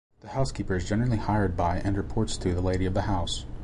The housekeeper is generally hired by and reports to the lady of the house.